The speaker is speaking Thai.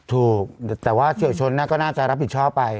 ถูกแต่ว่าเฉียวชนก็น่าจะรับผิดชอบไป